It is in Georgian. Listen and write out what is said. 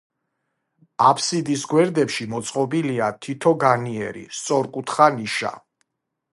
აფსიდის გვერდებში მოწყობილია თითო განიერი, სწორკუთხა ნიშა.